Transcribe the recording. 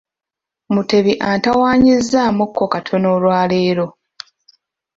Mutebi antawaanyizzaamukko katono olwaleero.